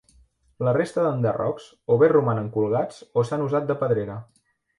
La resta d'enderrocs, o bé romanen colgats o s'han usat de pedrera.